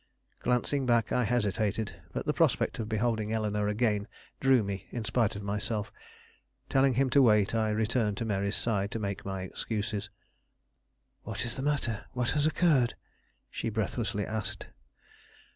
Glancing back, I hesitated; but the prospect of beholding Eleanore again drew me, in spite of myself. Telling him to wait, I returned to Mary's side to make my excuses. "What is the matter what has occurred?" she breathlessly asked.